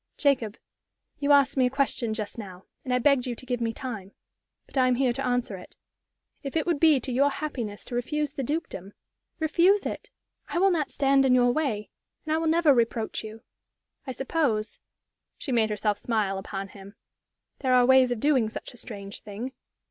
"Jacob, you asked me a question just now, and I begged you to give me time. But I am here to answer it. If it would be to your happiness to refuse the dukedom, refuse it. I will not stand in your way, and I will never reproach you. I suppose" she made herself smile upon him "there are ways of doing such a strange thing.